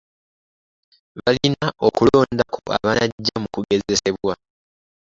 Balina okulondako abanajja mu kugezesebwa.